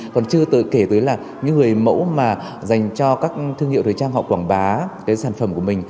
còn chưa kể tới là những người mẫu mà dành cho các thương hiệu thời trang họ quảng bá cái sản phẩm của mình